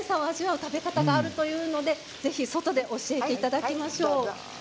食べ方があるというのでぜひ外で教えていただきましょう。